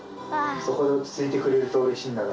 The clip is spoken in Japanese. そこで落ち着いてくれるとうれしいんだが。